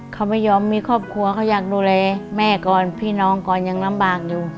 เขาไม่ยอมมีครอบครัวเขาอยากดูแลแม่ก่อนพี่น้องก่อนยังลำบากอยู่